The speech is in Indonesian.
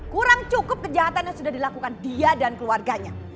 kurang cukup kejahatan yang sudah dilakukan dia dan keluarganya